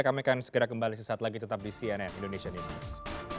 kami akan segera kembali sesaat lagi tetap di cnn indonesia newscast